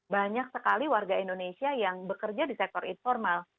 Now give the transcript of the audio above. banyak sekali warga indonesia yang bekerja di sektor informal